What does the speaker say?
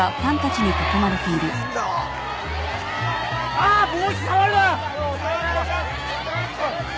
あ帽子触るな！